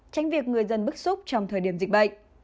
tránh việc người dân bức xúc trong thời điểm dịch bệnh